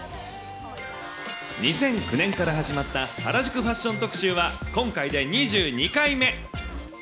２００９年から始まった原宿ファッション特集は、今回で２２回目。